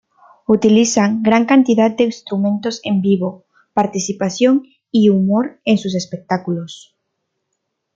Utilizan gran cantidad de instrumentos en vivo, participación y humor en sus espectáculos.